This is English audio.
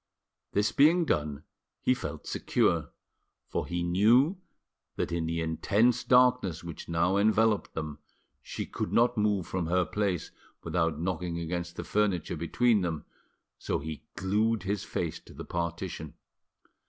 This being done, he felt secure, for he knew that in the intense darkness which now enveloped them she could not move from her place without knocking against the furniture between them, so he glued his face to the partition.